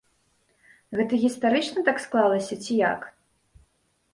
Гэта гістарычна так склалася, ці як?